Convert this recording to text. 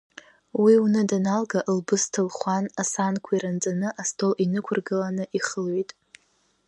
Уи уны даналга, лбысҭа лхәан, асаанқәа ирынҵаны астол инықәлыргылан, ихылҩеит.